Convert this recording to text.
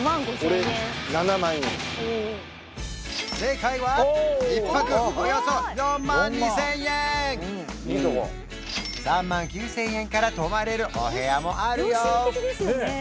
正解は１泊およそ４万２０００円３万９０００円から泊まれるお部屋もあるよ